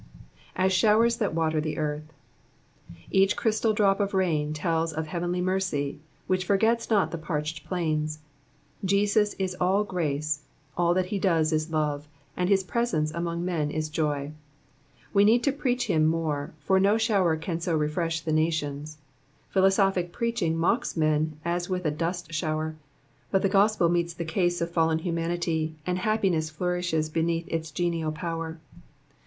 ''As showers that water t/ie earth.'' Each crystal diop of rain tells of heavenly mercy which forgets not the parched plains : Jesus is all grace, all that he does is love, and his presence among men is joy. We need to preach him more, for no shower can so refresh the nations. Philosophic preaching mocks men as with a dust shower, but the gospel meets the case of fallen humanity, and happiness flourishes beneath its genial power.